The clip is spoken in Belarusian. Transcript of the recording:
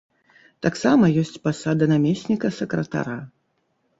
Таксама ёсць пасада намесніка сакратара.